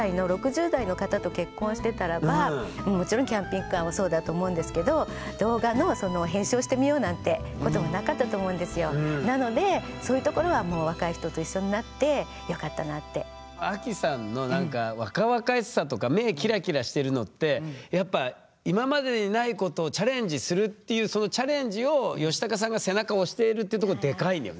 これもちろんキャンピングカーもそうだと思うんですけどなのでそういうところはもうアキさんのなんか若々しさとか目キラキラしてるのってやっぱ今までにないことをチャレンジするっていうそのチャレンジをヨシタカさんが背中を押しているってとこデカいよね。